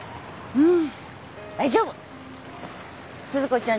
うん。